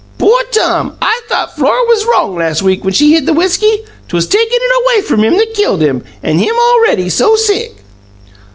"Poor Tom! I thought Flora was wrong last week whin she hid the whisky. 'Twas takin' it away from him that killed him an' him already so sick!"